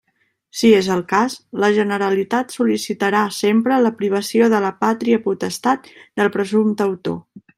Si és el cas, la Generalitat sol·licitarà sempre la privació de la pàtria potestat del presumpte autor.